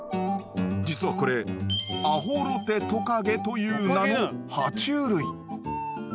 実はこれアホロテトカゲという名のは虫類。